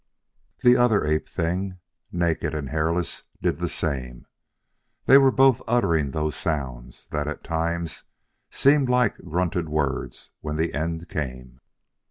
The other ape thing, naked and hairless, did the same. They were both uttering those sounds, that at times seemed almost like grunted words, when the end came.